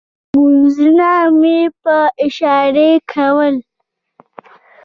لمونځونه مې په اشارې کول.